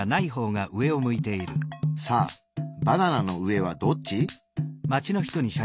さあバナナの上はどっち？